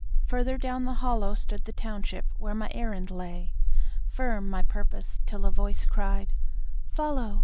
Further down the hollow Stood the township, where my errand lay. Firm my purpose, till a voice cried (Follow!